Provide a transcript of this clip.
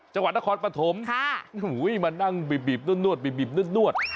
จังหวัดนครปฐมมานั่งบีบนวด